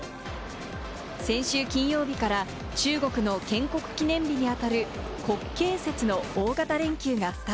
先週金曜日から中国の建国記念日にあたる国慶節の大型連休がスタ